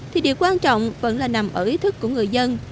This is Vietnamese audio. thì điều quan trọng vẫn là nằm ở ý thức của người dân